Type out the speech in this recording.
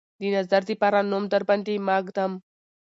د نظر دپاره نوم درباندې ماه ږدم